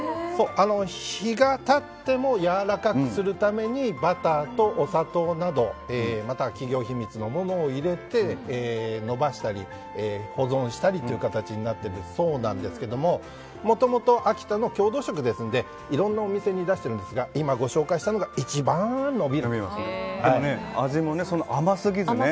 日が経ってもやわらかくするためにバターとお砂糖などまたは企業秘密のものを入れて伸ばしたり保存したりという形になっているそうなんですがもともと秋田の郷土食ですのでいろんなお店に出しているんですがでも、味も甘すぎずね。